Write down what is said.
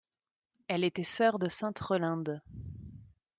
Elle était sœur de sainte Relinde.